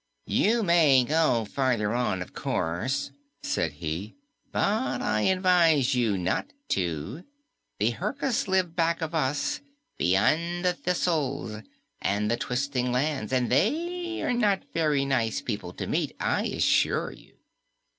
"You may go farther on, of course," said he, "but I advise you not to. The Herkus live back of us, beyond the thistles and the twisting lands, and they are not very nice people to meet, I assure you."